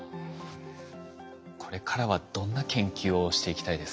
これからはどんな研究をしていきたいですか？